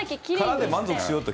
殻で満足しようと。